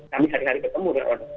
kami hari hari ketemu